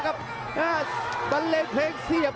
รั้งรวมมาแล้วครับ